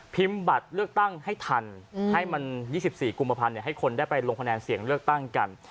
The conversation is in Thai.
บัตรเลือกตั้งให้ทันให้มัน๒๔กุมภัณฑ์ให้คนได้ไปลงคะแนนเสียงเลือกตั้งกัน